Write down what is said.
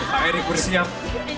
pak erick bersiap